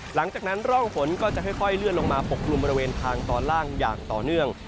หลังจากนั้นร่องฝนก็จะค่อยเลื่อนลงมาปกกลุ่มบริเวณทางตอนล่างอย่างต่อเนื่อง